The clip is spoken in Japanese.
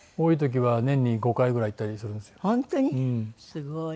すごい。